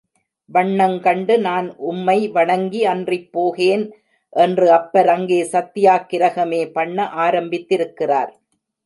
வண்ணங்கண்டு நான் உம்மை வணங்கி அன்றிப் போகேன் என்று அப்பர் அங்கே சத்தியாக்கிரஹமே பண்ண ஆரம்பித்திருக்கிறார்.